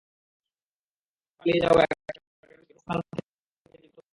ভারত থেকে পালিয়ে যাওয়া একটা টেরোরিস্টকে, সে পাকিস্তান থেকে জীবন্ত ধরে আনছে।